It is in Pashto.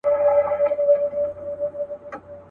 چي دا عرض به مي څوک یوسي تر سلطانه.